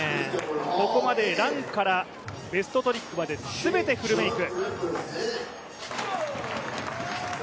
ここまでランからベストトリックまですべてフルメーク。